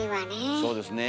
そうですね。